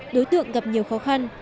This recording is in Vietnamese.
đối tượng gặp nhiều khó khăn